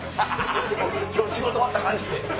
今日仕事終わった感じで。